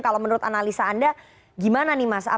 kalau menurut analisa anda gimana nih mas